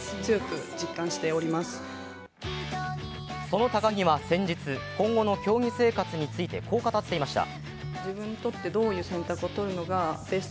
その高木は先日、今後の競技生活についてこう語っていました。